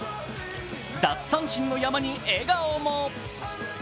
奪三振の山に笑顔も。